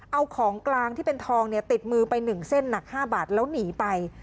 เอาของกลางที่เป็นทองเนี่ยติดมือไป๑เส้นหนัก๕บาทแล้วหนีไป